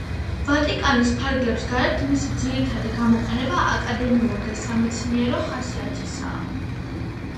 ვატიკანის ფარგლებს გარეთ მისი ძირითადი გამოყენება აკადემიური და სამეცნიერო ხასიათისაა.